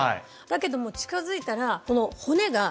だけども近づいたらこの。